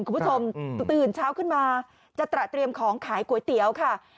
คุณผู้ชมตื่นเช้าขึ้นมาจะตระเตรียมของขายก๋วยเตี๋ยวค่ะ